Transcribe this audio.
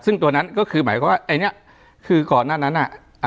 ซึ่งตัวนั้นก็คือหมายความว่าไอ้เนี่ยคือก่อนหน้านั้นน่ะ